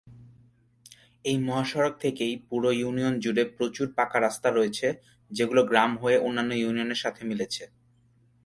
এই মহাসড়ক থেকেই পুরো ইউনিয়ন জুড়ে প্রচুর পাকা রাস্তা রয়েছে, যেই গুলো গ্রাম হয়ে অন্যান্য ইউনিয়ন এর সাথে মিলেছে।